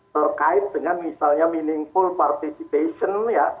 terkait dengan misalnya meaningful participation ya